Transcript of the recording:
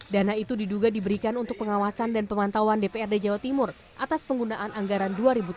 dana itu diduga diberikan untuk pengawasan dan pemantauan dprd jawa timur atas penggunaan anggaran dua ribu tujuh belas